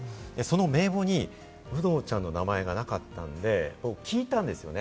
その名簿に有働ちゃんの名前がなかったので、僕、聞いたんですよね。